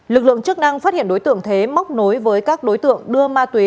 lực lượng chức năng phát hiện đối tượng thế móc nối với các đối tượng đưa ma túy